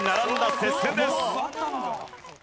接戦です。